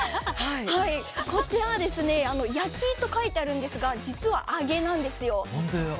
こちら焼きと書いてあるんですが実は、揚げなんですよ。